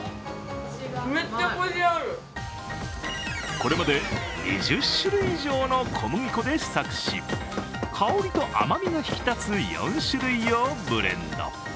これまで２０種類以上の小麦粉で試作し香りと甘みが引き立つ４種類をブレンド。